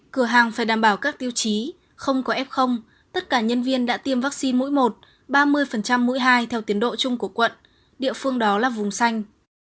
cửa hàng phải đảm bảo các tiêu chí không có f tất cả nhân viên đã tiêm vaccine mũi một ba mươi mũi hai theo tiến độ chung của quận địa phương đó là vùng xanh